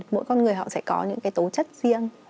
mỗi con người họ sẽ có những cái tố chất riêng